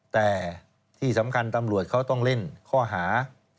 แต่ที่สำคัญตำรวจเขาต้องเล่นข้อหา